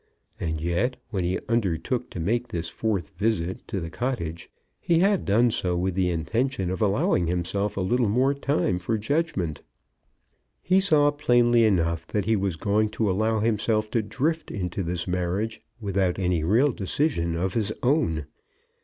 And yet when he undertook to make this fourth visit to the cottage, he had done so with the intention of allowing himself a little more time for judgment. He saw plainly enough that he was going to allow himself to drift into this marriage without any real decision of his own.